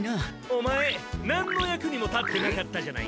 オマエなんの役にも立ってなかったじゃないか。